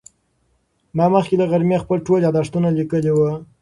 ما مخکې له غرمې خپل ټول یادښتونه لیکلي وو.